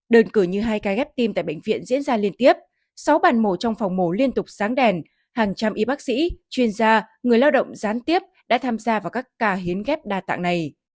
đơn cử như hai ca ghép tim tại bệnh viện diễn ra liên tiếp sáu bàn mổ trong phòng mổ liên tục sáng đèn hàng trăm y bác sĩ chuyên gia người lao động gián tiếp đã tham gia vào các ca hiến ghép đa tạng này